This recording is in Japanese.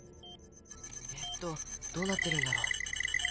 えっとどうなってるんだろう。